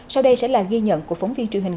sau đây sẽ là ghi nhận của phóng viên truyền hình